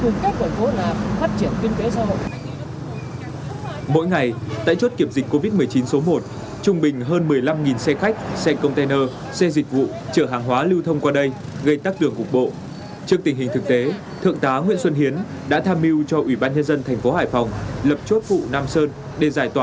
ngày một mươi ba tháng tám tại chốt kiểm dịch covid một mươi chín số một đường năm thành phố hải phòng tổ công tác đã phát hiện phiếu trả lời kết quả xét nghiệm real time pcr do trung tâm cảnh sát đường thủy công an thành phố hải phòng làm chốt trưởng phát hiện và xử lý kịp thời